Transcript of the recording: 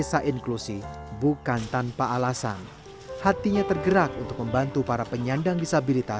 saya lebih banyak mementingkan kepentingan orang lain untuk membantu sesamanya agar naik derajatnya